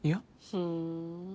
ふん。